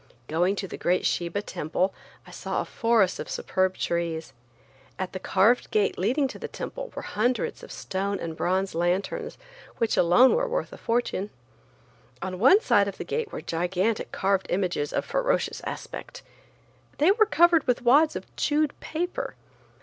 Going to the great Shiba temple, I saw a forest of superb trees. At the carved gate leading to the temple were hundreds of stone and bronze lanterns, which alone were worth a fortune. On either side of the gate were gigantic carved images of ferocious aspect. They were covered with wads of chewed paper.